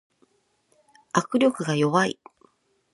握力が弱い